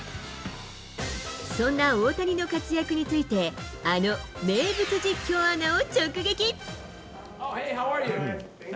そんな大谷の活躍について、あの名物実況アナを直撃。